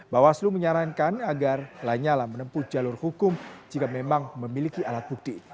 bawaslu menyarankan agar lanyala menempuh jalur hukum jika memang memiliki alat bukti